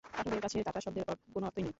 পাঠকের কাছে তাতা শব্দের কোনো অর্থই নাই।